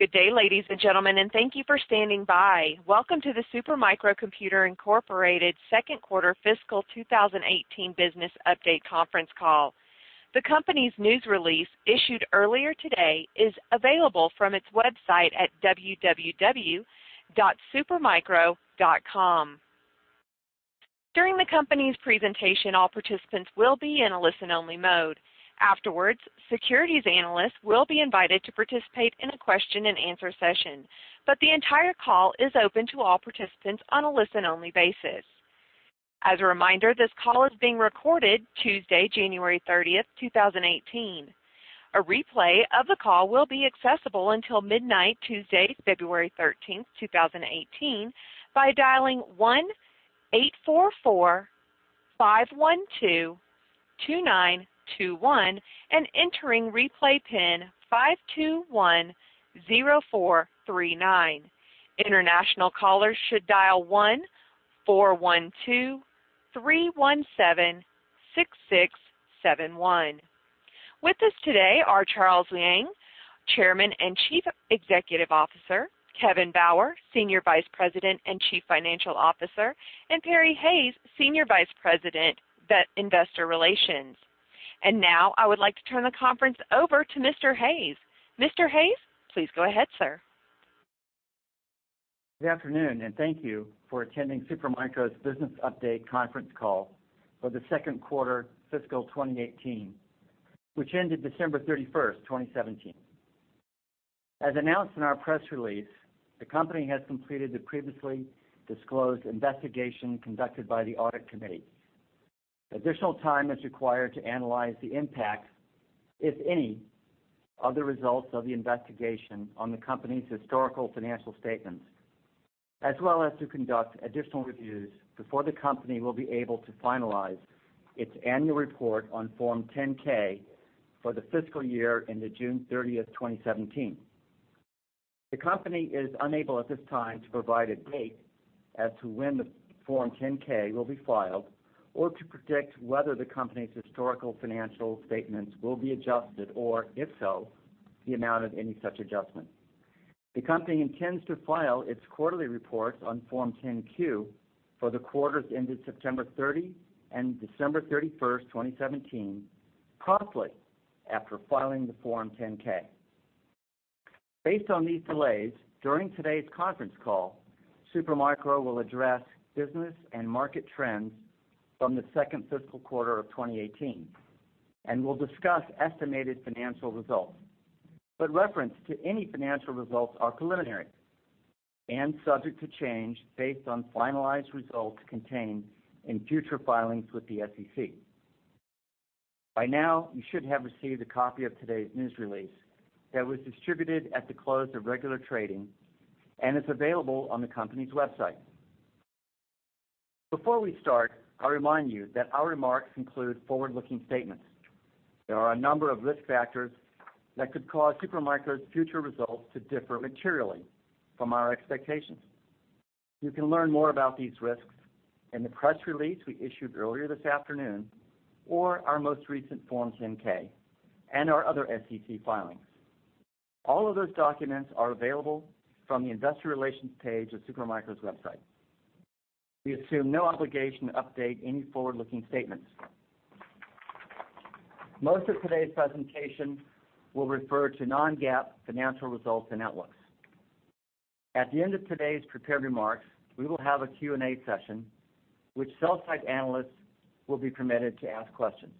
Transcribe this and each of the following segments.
Good day, ladies and gentlemen, and thank you for standing by. Welcome to the Super Micro Computer Incorporated second quarter fiscal 2018 business update conference call. The company's news release, issued earlier today, is available from its website at www.supermicro.com. During the company's presentation, all participants will be in a listen-only mode. Afterwards, securities analysts will be invited to participate in a question and answer session, but the entire call is open to all participants on a listen-only basis. As a reminder, this call is being recorded Tuesday, January 30th, 2018. A replay of the call will be accessible until midnight, Tuesday, February 13th, 2018, by dialing 1-844-512-2921 and entering replay pin 5210439. International callers should dial 1-412-317-6671. With us today are Charles Liang, Chairman and Chief Executive Officer, Kevin Bauer, Senior Vice President and Chief Financial Officer, and Perry Hayes, Senior Vice President, Investor Relations. Now I would like to turn the conference over to Mr. Hayes. Mr. Hayes, please go ahead, sir. Good afternoon and thank you for attending Super Micro's business update conference call for the second quarter fiscal 2018, which ended December 31st, 2017. As announced in our press release, the company has completed the previously disclosed investigation conducted by the audit committee. Additional time is required to analyze the impact, if any, of the results of the investigation on the company's historical financial statements, as well as to conduct additional reviews before the company will be able to finalize its annual report on Form 10-K for the fiscal year ended June 30th, 2017. The company is unable at this time to provide a date as to when the Form 10-K will be filed or to predict whether the company's historical financial statements will be adjusted or, if so, the amount of any such adjustment. The company intends to file its quarterly reports on Form 10-Q for the quarters ended September 30 and December 31st, 2017, promptly after filing the Form 10-K. Based on these delays, during today's conference call, Super Micro will address business and market trends from the second fiscal quarter of 2018 and will discuss estimated financial results. Reference to any financial results are preliminary and subject to change based on finalized results contained in future filings with the SEC. By now, you should have received a copy of today's news release that was distributed at the close of regular trading and is available on the company's website. Before we start, I'll remind you that our remarks include forward-looking statements. There are a number of risk factors that could cause Super Micro's future results to differ materially from our expectations. You can learn more about these risks in the press release we issued earlier this afternoon, or our most recent Form 10-K and our other SEC filings. All of those documents are available from the investor relations page of Supermicro's website. We assume no obligation to update any forward-looking statements. Most of today's presentation will refer to non-GAAP financial results and outlooks. At the end of today's prepared remarks, we will have a Q&A session, which sell-side analysts will be permitted to ask questions.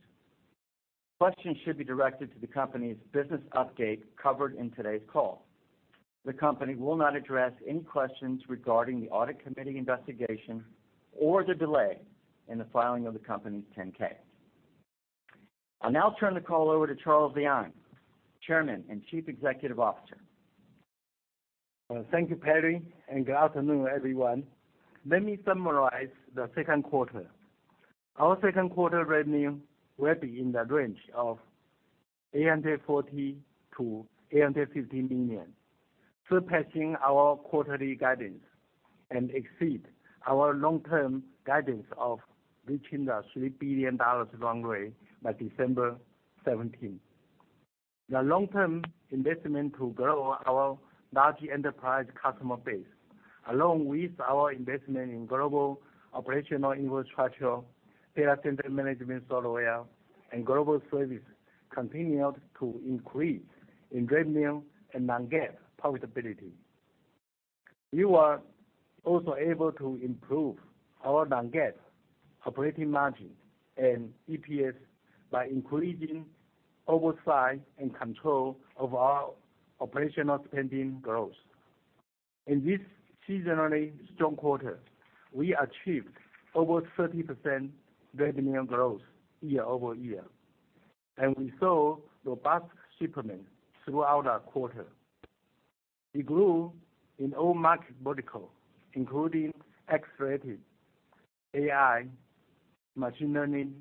Questions should be directed to the company's business update covered in today's call. The company will not address any questions regarding the audit committee investigation or the delay in the filing of the company's 10-K. I'll now turn the call over to Charles Liang, Chairman and Chief Executive Officer. Thank you, Perry, and good afternoon, everyone. Let me summarize the second quarter. Our second quarter revenue will be in the range of $840 million-$850 million, surpassing our quarterly guidance and exceed our long-term guidance of reaching the $3 billion runway by December 17. The long-term investment to grow our large enterprise customer base, along with our investment in global operational infrastructure, data center management software, and global services, continued to increase in revenue and non-GAAP profitability. We were also able to improve our non-GAAP operating margin and EPS by increasing oversight and control of our operational spending growth. In this seasonally strong quarter, we achieved over 30% revenue growth year-over-year, and we saw robust shipments throughout the quarter. We grew in all market verticals, including x86, AI, machine learning,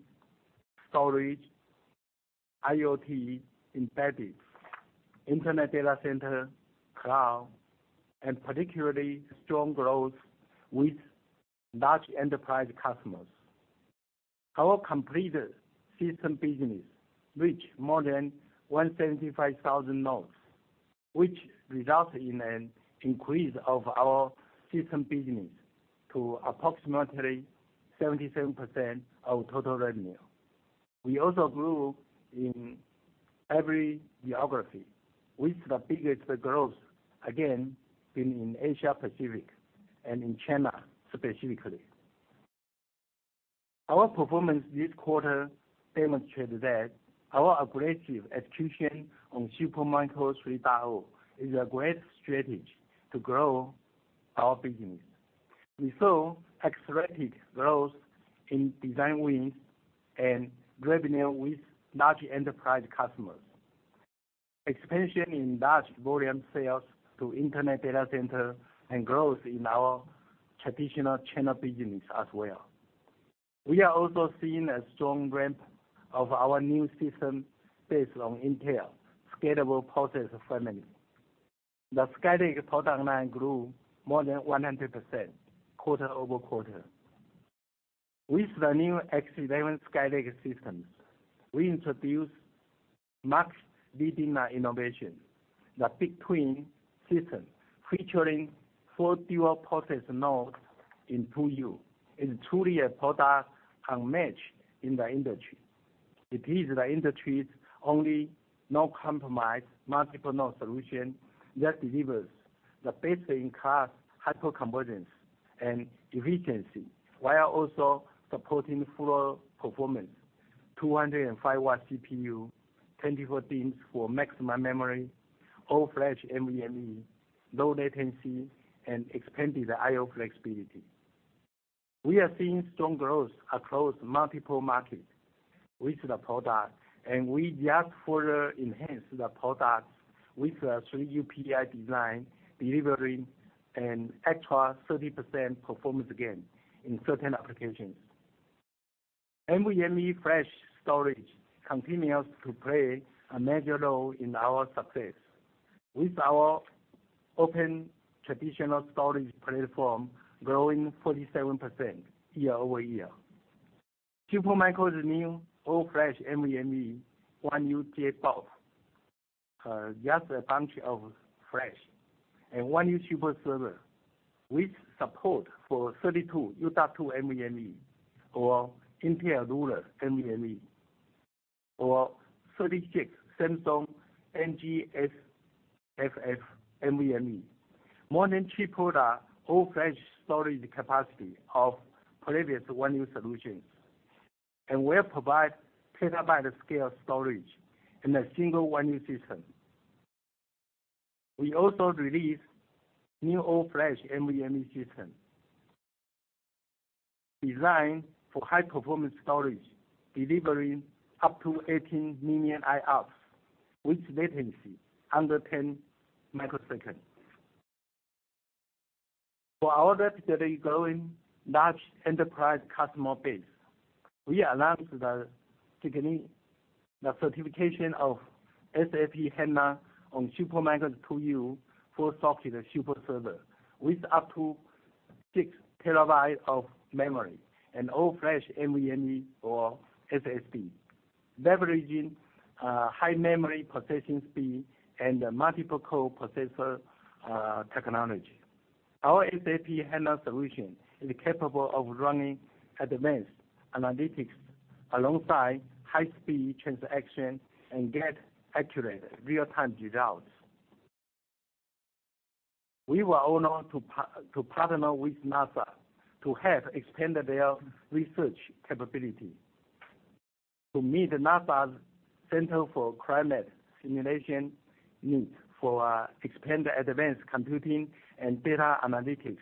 storage, IoT, embedded, internet data center, cloud, and particularly strong growth with large enterprise customers. Our complete system business reached more than 175,000 nodes, which resulted in an increase of our system business to approximately 77% of total revenue. We also grew in every geography, with the biggest growth again being in Asia Pacific and in China specifically. Our performance this quarter demonstrated that our aggressive execution on Supermicro 3.0 is a great strategy to grow our business. We saw accelerated growth in design wins and revenue with large enterprise customers. Expansion in large volume sales to internet data center, and growth in our traditional channel business as well. We are also seeing a strong ramp of our new system based on Intel Scalable Processor family. The Skylake product line grew more than 100% quarter-over-quarter. With the new X11 Skylake systems, we introduce market-leading innovation. The BigTwin system, featuring four dual processor nodes in 2U, is truly a product unmatched in the industry. It is the industry's only no-compromise multiple node solution that delivers the best-in-class high components and efficiency, while also supporting full performance 205 W CPU, 24 DIMMs for maximum memory, all flash NVMe, low latency, and expanded I/O flexibility. We are seeing strong growth across multiple markets with the product, and we just further enhanced the product with a 3U PI design, delivering an extra 30% performance gain in certain applications. NVMe flash storage continues to play a major role in our success. With our open traditional storage platform growing 47% year-over-year. Supermicro's new all flash NVMe 1U JBOF, just a bunch of flash, and 1U SuperServer, with support for 32 U.2 NVMe or Intel Ruler NVMe, or 36 Samsung NGSFF NVMe. More than triple the all-flash storage capacity of previous 1U solutions, will provide petabyte scale storage in a single 1U system. We also released new all-flash NVMe system designed for high-performance storage, delivering up to 18 million IOPS with latency under 10 microseconds. For our rapidly growing large enterprise customer base, we announced the certification of SAP HANA on Supermicro 2U four-socket SuperServer with up to six terabytes of memory and all-flash NVMe or SSD. Leveraging high memory processing speed and multiple core processor technology, our SAP HANA solution is capable of running advanced analytics alongside high-speed transaction and get accurate real-time results. We were honored to partner with NASA to help expand their research capability to meet NASA's Center for Climate Simulation needs for expanded advanced computing and data analytics,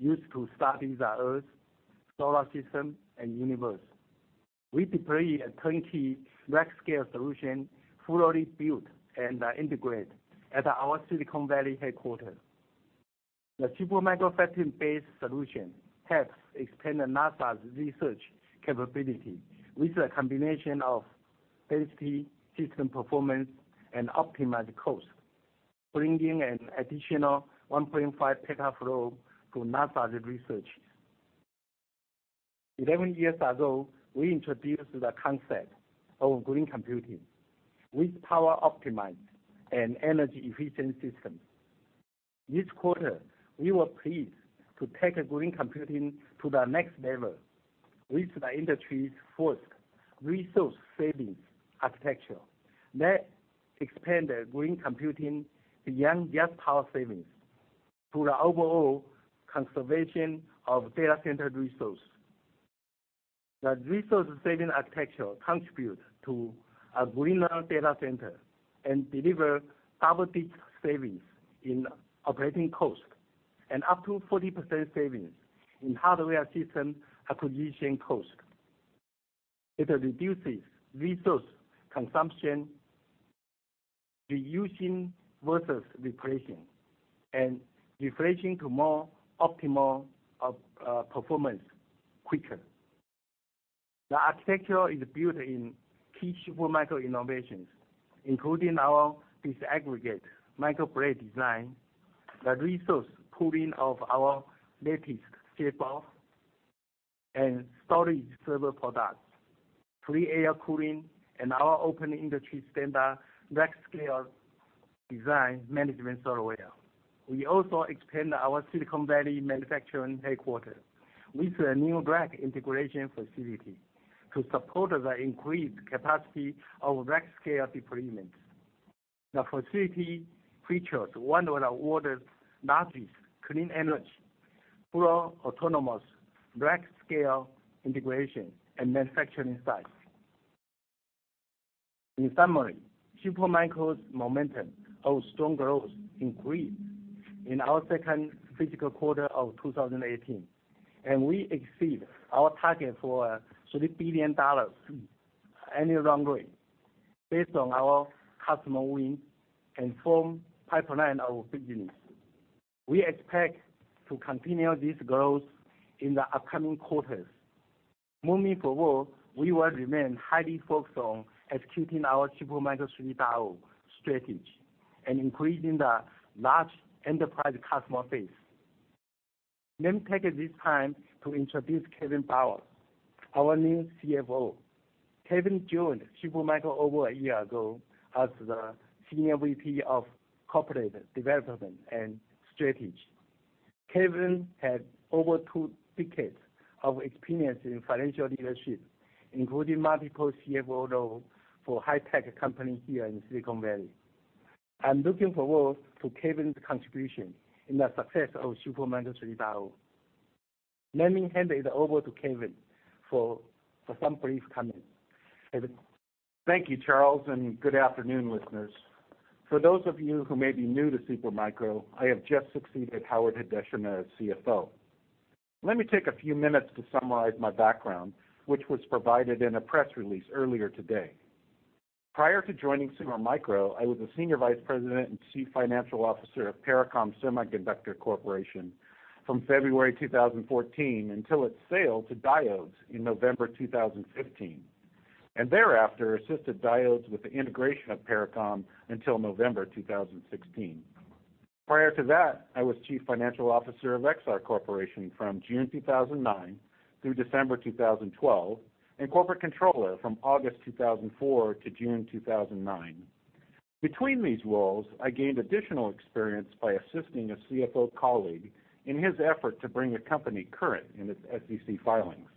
used to study the Earth, solar system, and universe. We deployed a 20-rack scale solution fully built and integrated at our Silicon Valley headquarters. The Supermicro factor-based solution helps expand NASA's research capability with a combination of high-speed system performance and optimized cost, bringing an additional 1.5 petaFLOPS to NASA's research. 11 years ago, we introduced the concept of green computing, with power optimized and energy efficient systems. This quarter, we were pleased to take green computing to the next level with the industry's first Resource Saving Architecture that expanded green computing beyond just power savings to the overall conservation of data center resources. The Resource Saving Architecture contributes to a greener data center and deliver double-digit savings in operating costs and up to 40% savings in hardware system acquisition cost. It reduces resource consumption, reusing versus replacing, and refreshing to more optimal performance quicker. The architecture is built on key Supermicro innovations, including our disaggregated MicroBlade design, the resource pooling of our latest C4 and storage server products, free air cooling, and our open industry standard Rack Scale Design management software. We also expanded our Silicon Valley manufacturing headquarters with a new rack integration facility to support the increased capacity of rack scale deployments. The facility features one of the world's largest clean energy, fully autonomous rack scale integration and manufacturing site. In summary, Supermicro's momentum of strong growth increased in our second fiscal quarter of 2018, we exceed our target for $3 billion annual run rate based on our customer wins and from pipeline of business. We expect to continue this growth in the upcoming quarters. Moving forward, we will remain highly focused on executing our Supermicro 3.0 strategy and increasing the large enterprise customer base. Let me take this time to introduce Kevin Bauer, our new CFO. Kevin joined Supermicro over a year ago as the Senior Vice President of Corporate Development and Strategy. Kevin has over two decades of experience in financial leadership, including multiple CFO roles for high tech companies here in Silicon Valley. I'm looking forward to Kevin's contribution in the success of Supermicro 3.0. Let me hand it over to Kevin for some brief comments. Kevin? Thank you, Charles, and good afternoon, listeners. For those of you who may be new to Super Micro, I have just succeeded Howard Hideshima as CFO. Let me take a few minutes to summarize my background, which was provided in a press release earlier today. Prior to joining Super Micro, I was the Senior Vice President and Chief Financial Officer of Pericom Semiconductor Corporation from February 2014 until its sale to Diodes in November 2015. Thereafter, assisted Diodes with the integration of Pericom until November 2016. Prior to that, I was Chief Financial Officer of Exar Corporation from June 2009 through December 2012 and Corporate Controller from August 2004 to June 2009. Between these roles, I gained additional experience by assisting a CFO colleague in his effort to bring a company current in its SEC filings.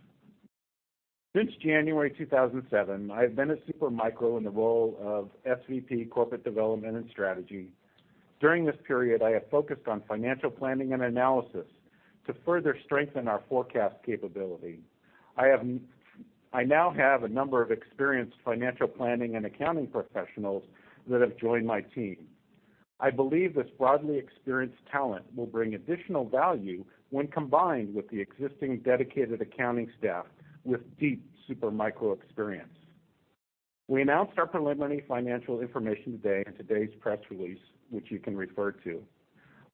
Since January 2017, I have been at Super Micro in the role of SVP Corporate Development and Strategy. During this period, I have focused on financial planning and analysis to further strengthen our forecast capability. I now have a number of experienced financial planning and accounting professionals that have joined my team. I believe this broadly experienced talent will bring additional value when combined with the existing dedicated accounting staff with deep Super Micro experience. We announced our preliminary financial information today in today's press release, which you can refer to.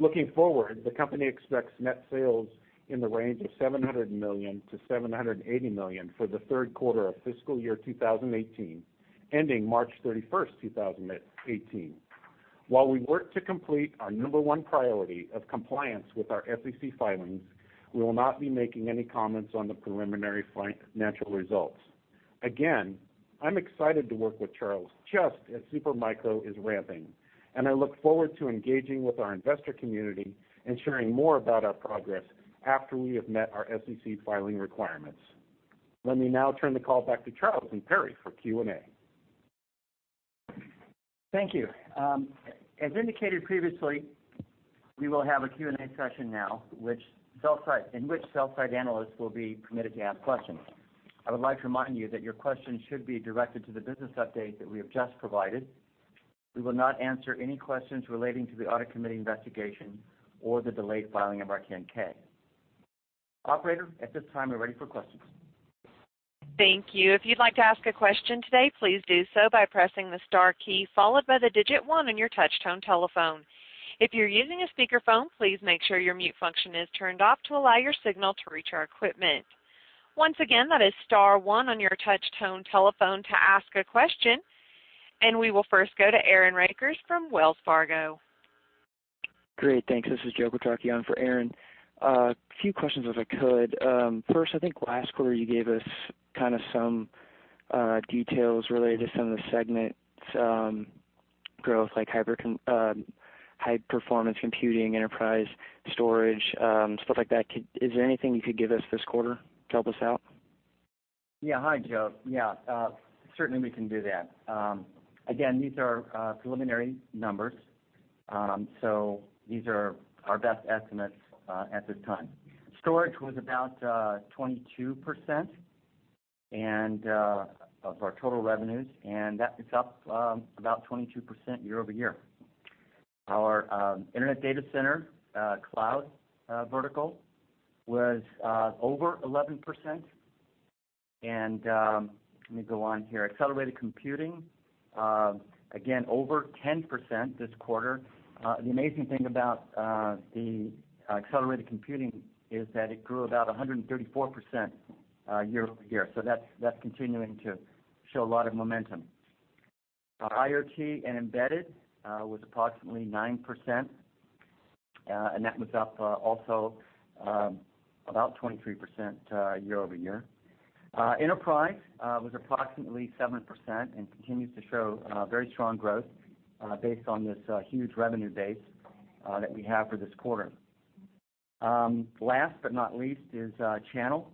Looking forward, the company expects net sales in the range of $700 million-$780 million for the third quarter of FY 2018, ending March 31st, 2018. While we work to complete our number one priority of compliance with our SEC filings, we will not be making any comments on the preliminary financial results. Again, I'm excited to work with Charles just as Super Micro is ramping, and I look forward to engaging with our investor community and sharing more about our progress after we have met our SEC filing requirements. Let me now turn the call back to Charles and Perry for Q&A. Thank you. As indicated previously, we will have a Q&A session now, in which sell-side analysts will be permitted to ask questions. I would like to remind you that your questions should be directed to the business update that we have just provided. We will not answer any questions relating to the audit committee investigation or the delayed filing of our 10-K. Operator, at this time, we're ready for questions. Thank you. If you'd like to ask a question today, please do so by pressing the star key, followed by the digit one on your touch tone telephone. If you're using a speakerphone, please make sure your mute function is turned off to allow your signal to reach our equipment. Once again, that is star one on your touch tone telephone to ask a question. We will first go to Aaron Rakers from Wells Fargo. Great. Thanks. This is Joe Quatrochi on for Aaron. A few questions, if I could. First, I think last quarter you gave us some details related to some of the segments growth, like high performance computing, enterprise storage, stuff like that. Is there anything you could give us this quarter to help us out? Hi, Joe. Certainly, we can do that. Again, these are preliminary numbers, so these are our best estimates at this time. Storage was about 22% of our total revenues. That is up about 22% year-over-year. Our internet data center, cloud vertical was over 11%. Let me go on here. Accelerated computing, again, over 10% this quarter. The amazing thing about the accelerated computing is that it grew about 134% year-over-year. That's continuing to show a lot of momentum. IoT and embedded was approximately 9%. That was up also about 23% year-over-year. Enterprise was approximately 7%. Continues to show very strong growth based on this huge revenue base that we have for this quarter. Last but not least is channel.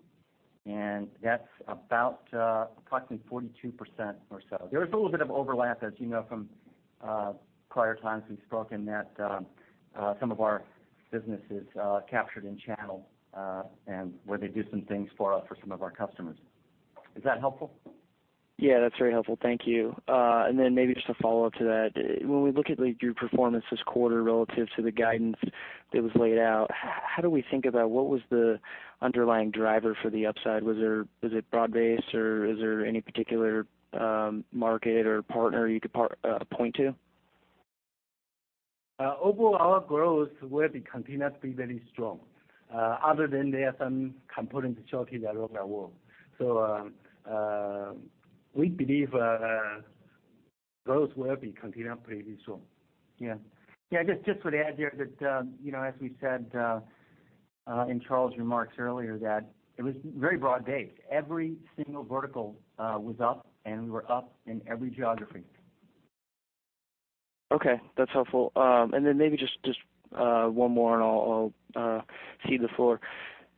That's about approximately 42% or so. There is a little bit of overlap, as you know from prior times we've spoken, that some of our business is captured in channel and where they do some things for us for some of our customers. Is that helpful? Yeah, that's very helpful. Thank you. Maybe just a follow-up to that. When we look at your performance this quarter relative to the guidance that was laid out, how do we think about what was the underlying driver for the upside? Was it broad-based, or is there any particular market or partner you could point to? Overall, our growth will be continued to be very strong, other than there are some component shortages around the world. We believe growth will be continued pretty strong. Yeah. Just to add there that, as we said in Charles' remarks earlier, that it was very broad-based. Every single vertical was up, and we were up in every geography. Okay, that's helpful. Maybe just one more, and I'll cede the floor.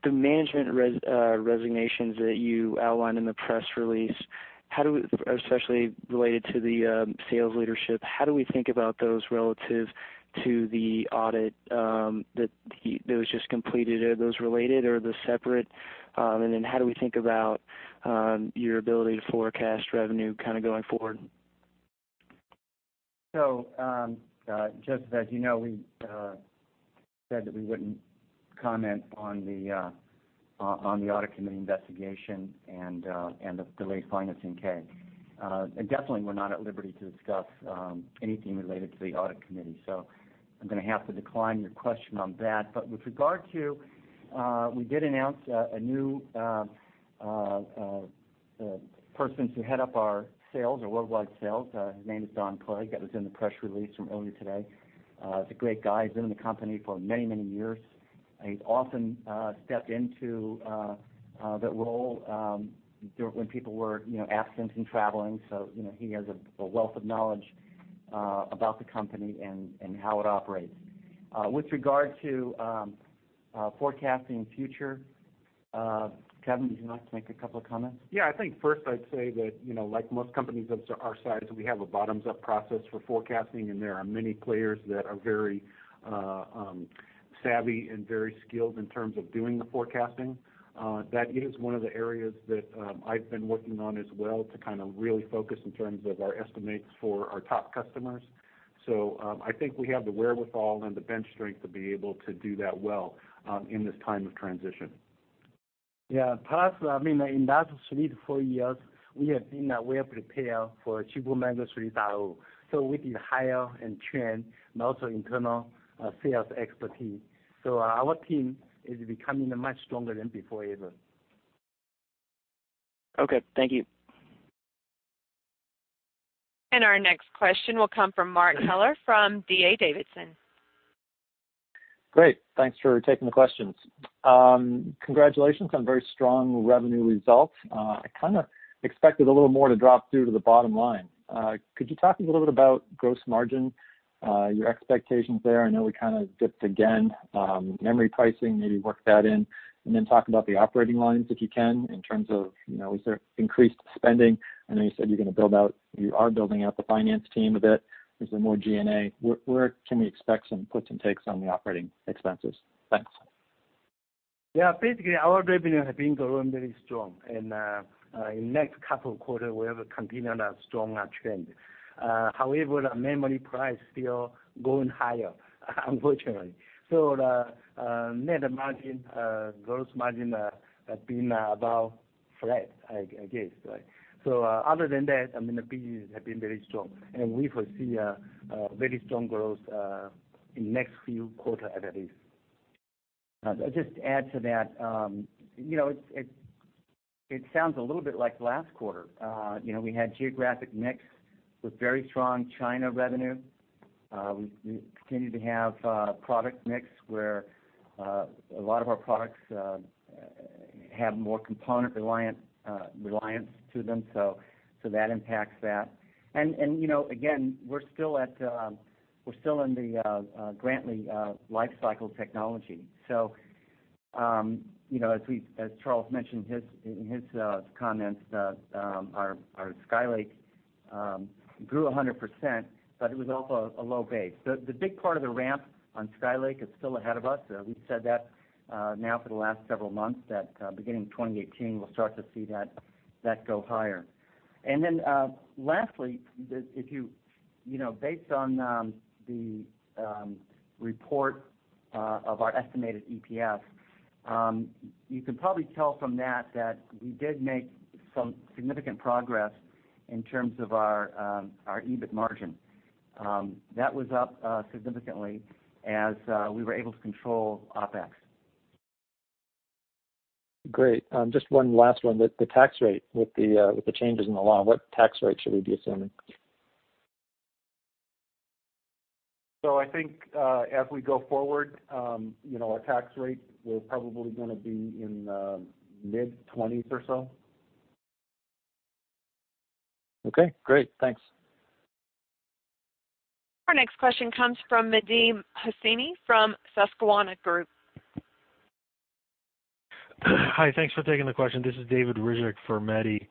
The management resignations that you outlined in the press release, especially related to the sales leadership, how do we think about those relative to the audit that was just completed? Are those related? Are they separate? How do we think about your ability to forecast revenue going forward? Joe Quatrochi, as you know, we said that we wouldn't comment on the audit committee investigation and the delayed financing case. Definitely, we're not at liberty to discuss anything related to the audit committee. I'm going to have to decline your question on that. We did announce a new person to head up our sales, our worldwide sales. His name is Don Clegg. That was in the press release from earlier today. He's a great guy. He's been in the company for many, many years, and he's often stepped into that role when people were absent and traveling. He has a wealth of knowledge about the company and how it operates. With regard to forecasting future, Kevin Bauer, would you like to make a couple of comments? Yeah, I think first I'd say that, like most companies of our size, we have a bottoms-up process for forecasting, and there are many players that are very savvy and very skilled in terms of doing the forecasting. That is one of the areas that I've been working on as well to really focus in terms of our estimates for our top customers. I think we have the wherewithal and the bench strength to be able to do that well in this time of transition. Yeah. Plus, in the last three to four years, we have been well prepared for Supermicro 3.0. We did hire and train, and also internal sales expertise. Our team is becoming much stronger than before even. Okay, thank you. Our next question will come from Mark Kelleher from D.A. Davidson. Great. Thanks for taking the questions. Congratulations on very strong revenue results. I kind of expected a little more to drop through to the bottom line. Could you talk a little bit about gross margin, your expectations there? I know we kind of dipped again. Memory pricing, maybe work that in, then talk about the operating lines, if you can, in terms of, is there increased spending? I know you said you are building out the finance team a bit. Is there more G&A? Where can we expect some puts and takes on the operating expenses? Thanks. Basically, our revenue has been growing very strong, in next couple of quarter, we will continue that stronger trend. The Memory price still going higher, unfortunately. The net margin, gross margin have been about flat, I guess. Other than that, the business has been very strong, we foresee a very strong growth in next few quarter, at least. I'll just add to that. It sounds a little bit like last quarter. We had geographic mix with very strong China revenue. We continue to have product mix where a lot of our products have more component reliance to them, so that impacts that. We're still in the Grantley lifecycle technology. As Charles mentioned in his comments, our Skylake grew 100%, but it was off a low base. The big part of the ramp on Skylake is still ahead of us. We've said that now for the last several months, that beginning 2018, we'll start to see that go higher. Lastly, based on the report of our estimated EPS, you can probably tell from that that we did make some significant progress in terms of our EBIT margin. That was up significantly as we were able to control OpEx. Great. Just one last one. With the changes in the law, what tax rate should we be assuming? I think, as we go forward, our tax rate is probably going to be in the mid-20s or so. Okay, great. Thanks. Our next question comes from Mehdi Hosseini from Susquehanna Group. Hi. Thanks for taking the question. This is David Ryzhik for Mehdi.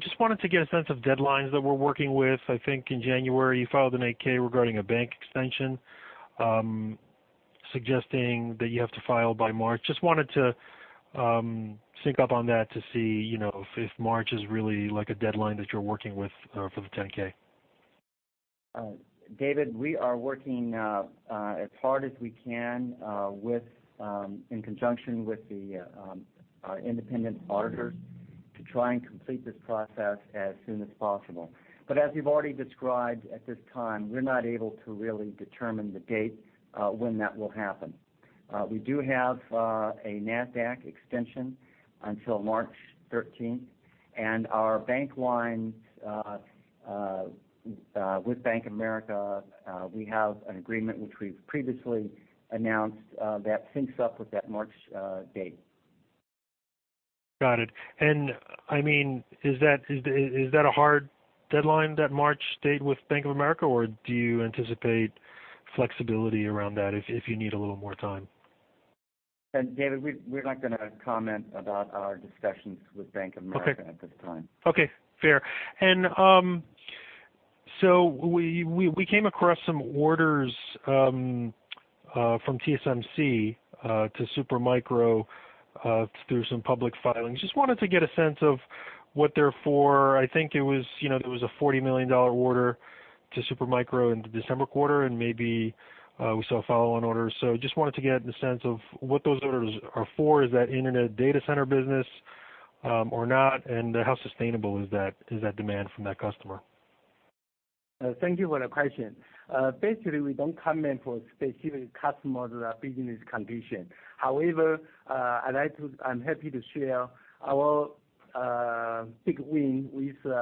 Just wanted to get a sense of deadlines that we're working with. I think in January you filed an 8-K regarding a bank extension, suggesting that you have to file by March. Just wanted to sync up on that to see if March is really a deadline that you're working with for the 10-K. David, we are working as hard as we can in conjunction with our independent auditors to try and complete this process as soon as possible. As we've already described, at this time, we're not able to really determine the date when that will happen. We do have a NASDAQ extension until March 13th and our bank lines with Bank of America, we have an agreement, which we've previously announced, that syncs up with that March date. Got it. Is that a hard deadline, that March date with Bank of America, or do you anticipate flexibility around that if you need a little more time? David, we're not going to comment about our discussions with Bank of America at this time. Okay. Fair. We came across some orders from TSMC to Super Micro through some public filings. Just wanted to get a sense of what they're for. I think there was a $40 million order to Super Micro in the December quarter and maybe we saw follow-on orders. Just wanted to get the sense of what those orders are for. Is that internet data center business or not, and how sustainable is that demand from that customer? Thank you for the question. Basically, we don't comment for specific customers or business condition. However, I'm happy to share our BigTwin with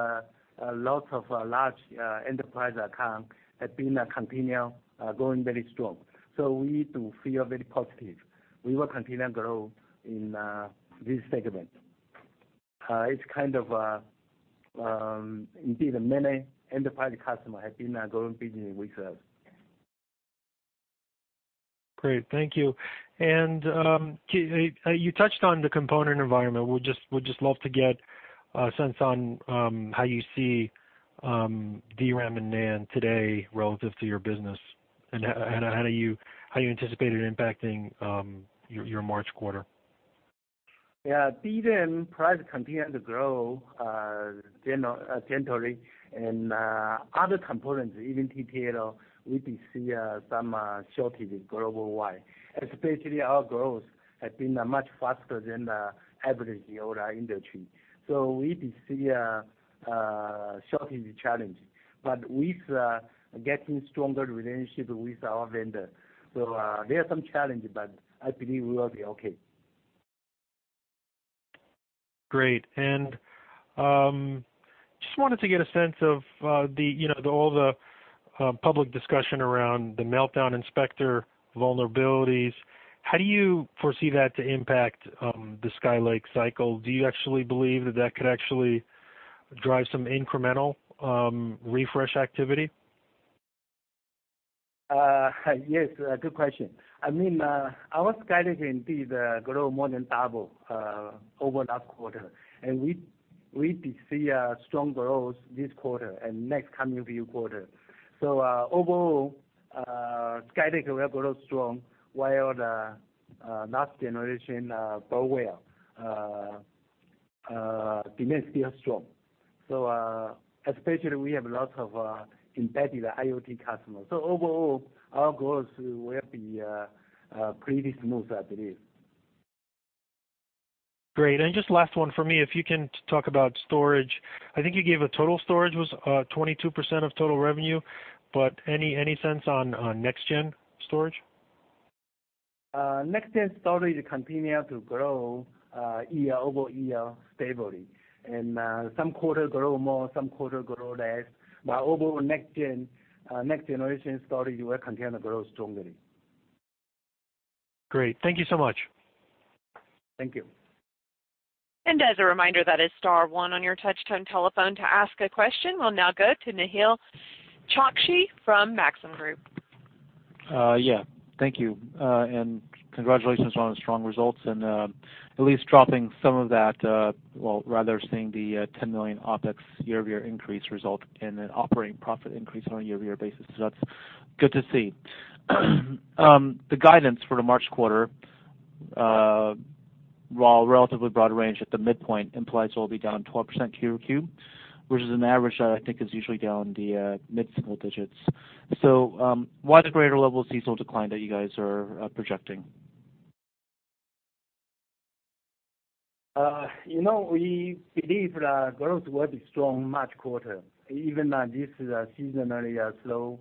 lots of large enterprise account have been continue going very strong. We do feel very positive. We will continue to grow in this segment. Indeed, many enterprise customer have been growing business with us. Great. Thank you. You touched on the component environment. Would just love to get a sense on how you see DRAM and NAND today relative to your business, and how you anticipate it impacting your March quarter. Yeah. DRAM price continue to grow generally, and other components, even, we do see some shortage global wide, especially our growth has been much faster than the average in the whole industry. We do see a shortage challenge. With getting stronger relationship with our vendor, there are some challenges, but I believe we will be okay. Just wanted to get a sense of all the public discussion around the Meltdown and Spectre vulnerabilities. How do you foresee that to impact the Skylake cycle? Do you actually believe that could actually drive some incremental refresh activity? Yes. Good question. Our Skylake indeed grow more than double over last quarter, and we do see a strong growth this quarter and next coming few quarter. Overall, Skylake will grow strong while the last generation go well. Demand is still strong. Especially we have lots of embedded IoT customers. Overall, our growth will be pretty smooth, I believe. Great. Just last one from me, if you can talk about storage. I think you gave a total storage was 22% of total revenue, but any sense on next gen storage? Next gen storage continue to grow year-over-year stably. Some quarter grow more, some quarter grow less. Overall, next generation storage will continue to grow strongly. Great. Thank you so much. Thank you. As a reminder, that is star one on your touch-tone telephone to ask a question. We'll now go to Nehal Chokshi from Maxim Group. Yeah. Thank you. Congratulations on the strong results and at least dropping some of that, well, rather seeing the $10 million OpEx year-over-year increase result in an operating profit increase on a year-over-year basis. That's good to see. The guidance for the March quarter, while relatively broad range at the midpoint, implies we'll be down 12% Q-over-Q, versus an average I think is usually down the mid-single digits. Why the greater level of seasonal decline that you guys are projecting? We believe the growth will be strong March quarter, even though this is a seasonally slow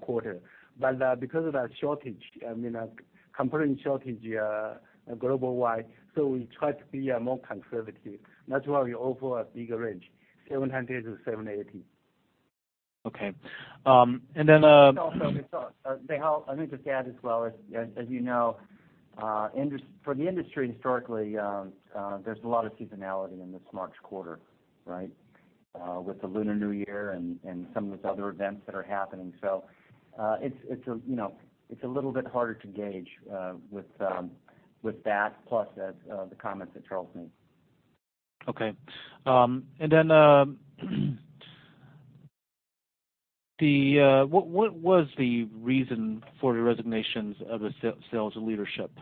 quarter. Because of that shortage, component shortage global-wide, we try to be more conservative. That's why we offer a bigger range, $700 million-$780 million. Okay. Also, Nehal, let me just add as well, as you know for the industry historically, there's a lot of seasonality in this March quarter, right? With the Lunar New Year and some of those other events that are happening. It's a little bit harder to gauge with that, plus the comments that Charles made. Okay. What was the reason for the resignations of the sales leadership?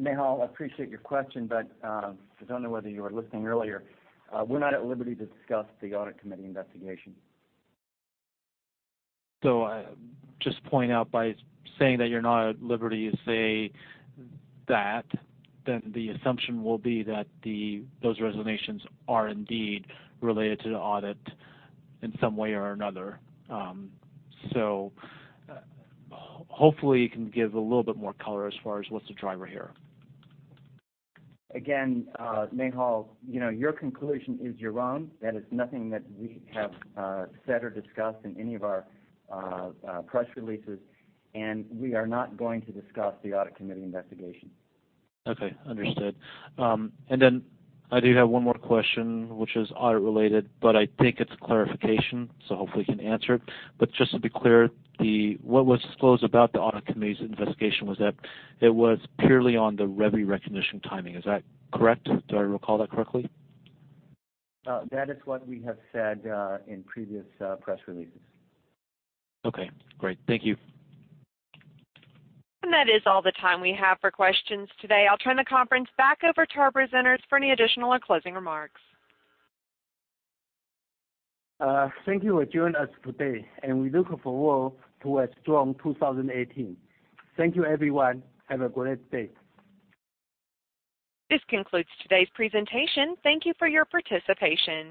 Nehal, I appreciate your question. I don't know whether you were listening earlier. We're not at liberty to discuss the audit committee investigation. Just point out by saying that you're not at liberty to say that, then the assumption will be that those resignations are indeed related to the audit in some way or another. Hopefully, you can give a little bit more color as far as what's the driver here. Again, Nehal, your conclusion is your own. That is nothing that we have said or discussed in any of our press releases. We are not going to discuss the audit committee investigation. Okay, understood. I do have one more question, which is audit-related. I think it's a clarification, hopefully you can answer it. Just to be clear, what was disclosed about the audit committee's investigation was that it was purely on the revenue recognition timing. Is that correct? Do I recall that correctly? That is what we have said in previous press releases. Okay, great. Thank you. That is all the time we have for questions today. I'll turn the conference back over to our presenters for any additional or closing remarks. Thank you for joining us today, and we look forward to a strong 2018. Thank you everyone. Have a great day. This concludes today's presentation. Thank you for your participation.